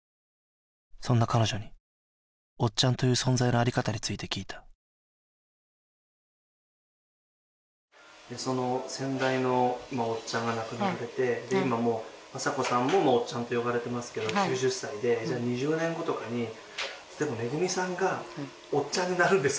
そんな彼女におっちゃんという存在のあり方について聞いた先代のおっちゃんが亡くなられて今もうまさ子さんもおっちゃんと呼ばれてますけど９０歳でじゃあ２０年後とかに恵さんがおっちゃんになるんですか？